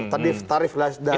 tarif dasar listrik